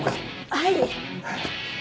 はい。